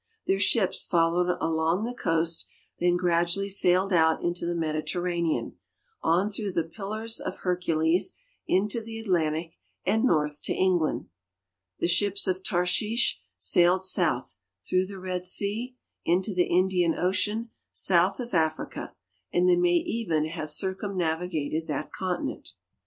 Their ships followed alon<,' tile coast, then ^'radually sailed out into the Mediterrani an, on through the Pillars of Hercules into tiie Athintic, and north to England ; the ships of Tarshish sailed south, through the Ked sea, into the Indian ocean, south of Africa, and they may even luive circumnavigated that continent.